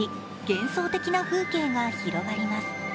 幻想的な風景が広がります。